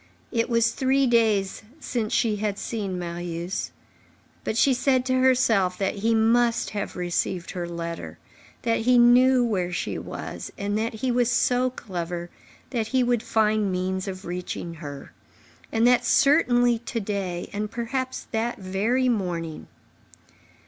It was three days since she had seen Marius. But she said to herself that he must have received her letter, that he knew where she was, and that he was so clever that he would find means of reaching her.—And that certainly to day, and perhaps that very morning.